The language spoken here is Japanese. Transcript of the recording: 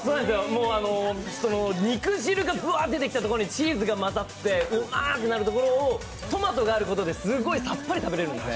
肉汁がぶわっと出てきたところにチーズが混ざってうまくなるところをトマトがあることですっごいさっぱり食べられるんです。